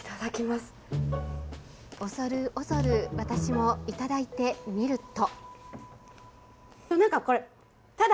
恐る恐る私もいただいてみると。